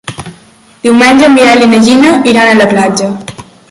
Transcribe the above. Diumenge en Biel i na Gina iran a la platja.